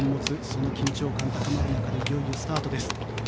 その緊張感が高まる中いよいよスタートです。